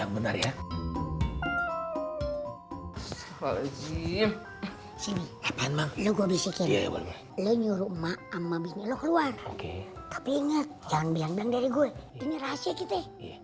lu nyuruh ama bingung lu keluar tapi inget jangan bilang bilang dari gue ini rahasia kita